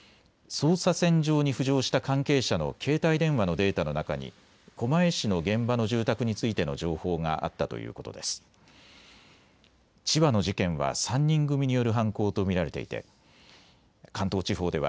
捜査線上に浮上した関係者の携帯電話のデータの中に狛江市の現場の住宅についての情報があったということです。